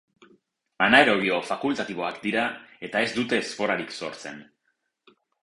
Anaerobio fakultatiboak dira eta ez dute esporarik sortzen.